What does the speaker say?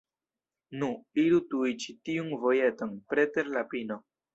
Nu, iru tuj ĉi tiun vojeton, preter la pino.